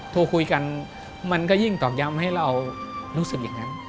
โทรคุยกันมันก็ยิ่งตอกย้ำให้เรารู้สึกอย่างนั้น